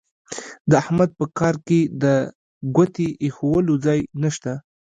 د احمد په کار کې د ګوتې اېښولو ځای نه شته.